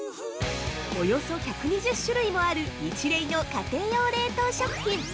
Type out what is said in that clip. ◆約１２０種類もあるニチレイの家庭用冷凍食品！